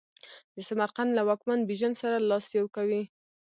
د سمرقند له واکمن بیژن سره لاس یو کوي.